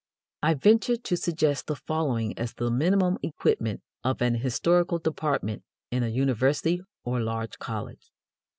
I venture to suggest the following as the minimum equipment of an historical department in a university or large college.